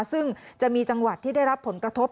ซึ่งจะมีจังหวัดที่ได้รับผลกระทบ